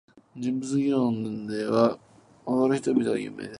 人物埴輪では、踊る人々が有名です。